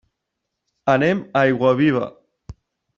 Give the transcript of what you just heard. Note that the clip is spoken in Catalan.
Anem a Aiguaviva.